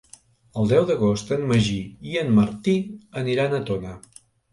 El deu d'agost en Magí i en Martí aniran a Tona.